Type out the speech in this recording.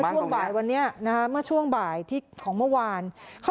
ก็เช่นช่วงบ่ายวันนี้ก็ช่วงบ่ายของเมื่อวาน